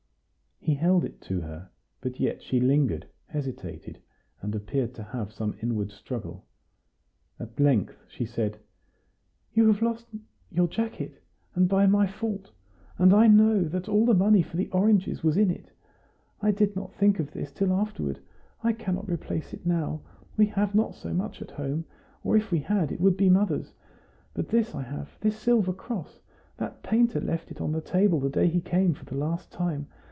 He held it to her, but yet she lingered, hesitated, and appeared to have some inward struggle. At length she said: "You have lost your jacket, and by my fault; and I know that all the money for the oranges was in it. I did not think of this till afterward. I cannot replace it now; we have not so much at home or if we had, it would be mother's. But this I have this silver cross. That painter left it on the table the day he came for the last time.